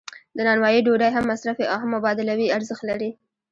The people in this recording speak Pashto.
د نانوایی ډوډۍ هم مصرفي او هم مبادلوي ارزښت لري.